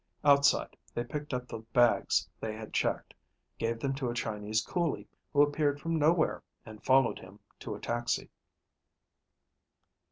Outside, they picked up the bags they had checked, gave them to a Chinese coolie, who appeared from nowhere, and followed him to a taxi.